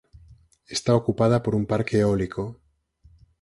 Está ocupada por un parque eólico.